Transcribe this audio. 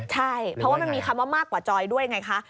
ใช่เพราะว่ามันมีคำว่ามากกว่าจอยด้วยไงคะ